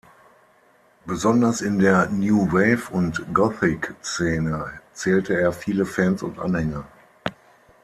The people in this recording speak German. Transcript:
Besonders in der New-Wave- und Gothic-Szene zählte er viele Fans und Anhänger.